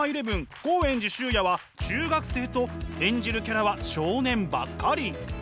豪炎寺修也は中学生と演じるキャラは少年ばっかり。